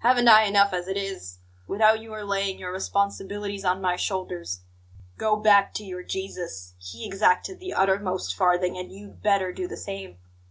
Haven't I enough as it is, without your laying your responsibilities on my shoulders? Go back to your Jesus; he exacted the uttermost farthing, and you'd better do the same.